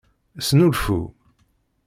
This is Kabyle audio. Snulfu.